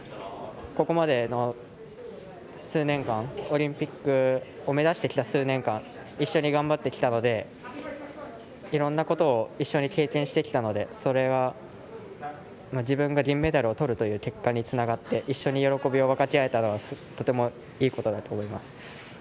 ここまでの、数年間オリンピックを目指してきた数年間一緒に頑張ってきたのでいろんなことをしっかり経験してきたのでそれは自分が銀メダルをとるという結果につながって一緒に喜びを分かち合えたのはとてもいいことだと思います。